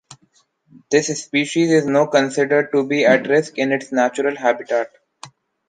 This species is no considered to be at risk in its natural habitat.